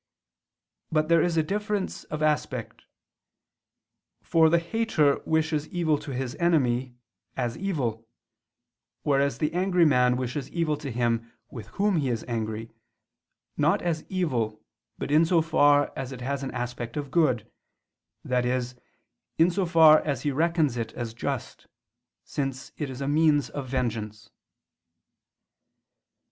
But there is a difference of aspect: for the hater wishes evil to his enemy, as evil, whereas the angry man wishes evil to him with whom he is angry, not as evil but in so far as it has an aspect of good, that is, in so far as he reckons it as just, since it is a means of vengeance.